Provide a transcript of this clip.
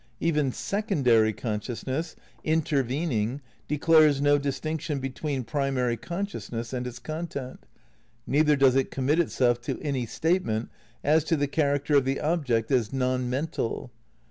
Even secondary consciousness, intervening, declares jio distinction be tween primary consciousness and its content, neither does it commit itself to any statement as to the charac ter of the object as non mental.